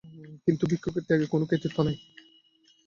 কিন্তু ভিক্ষুকের ত্যাগে কোন কৃতিত্ব নাই।